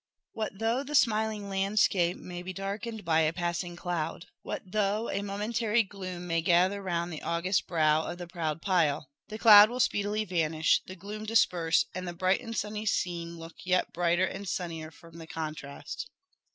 What though the smiling landscape may he darkened by a passing cloud! what though a momentary gloom may gather round the august brow of the proud pile! the cloud will speedily vanish, the gloom disperse, and the bright and sunny scene look yet brighter and sunnier from the contrast.